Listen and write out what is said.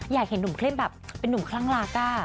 อยากเห็นหนุ่มเข้มแบบเป็นนุ่มคลั่งลาก้า